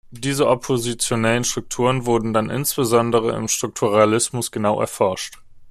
Diese oppositionellen Strukturen wurden dann insbesondere im Strukturalismus genau erforscht.